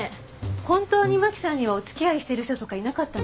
本当にマキさんにはお付き合いしてる人とかいなかったの？